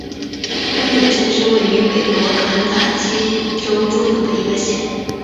拉鲁县是位于美国肯塔基州中部的一个县。